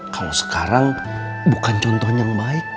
kalau sekarang bukan contoh yang baik